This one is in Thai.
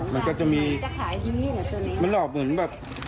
มันก็จะมีมันหลอกเหมือนแบบ